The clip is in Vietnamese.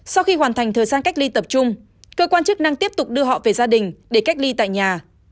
sau khi hoàn thành thời gian cách ly tập trung cơ quan chức năng tiếp tục đưa họ về gia đình để cách ly tại nhà